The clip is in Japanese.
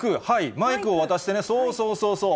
マイクを渡してね、そうそうそうそう。